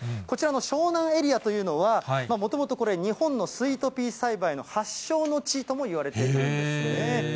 こちらの湘南エリアというのは、もともと日本のスイートピー栽培の発祥の地ともいわれてるんですね。